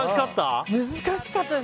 難しかった？